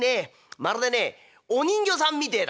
まるでねお人形さんみてえだ」。